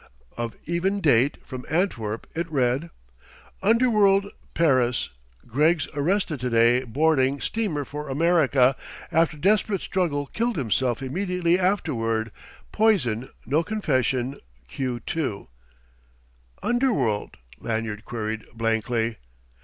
Of even date, from Antwerp, it read: "_Underworld Paris Greggs arrested today boarding steamer for America after desperate struggle killed himself immediately afterward poison no confession Q 2._" "Underworld?" Lanyard queried blankly.